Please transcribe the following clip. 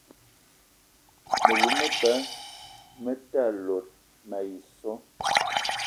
Me lou me ba me ta lot mayi so.